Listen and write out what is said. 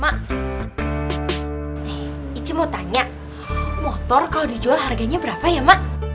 mak ee iji mau tanya motor kalau dijual harganya berapa ya mak